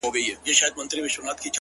اغزي چاپيره دي تر ما- خالقه گل زه یم-